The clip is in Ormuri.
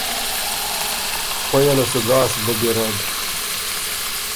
خویه له سو ګاسک بُک ګیرډ۔